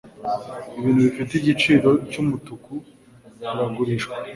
Ibintu bifite igiciro cyumutuku biragurishwa.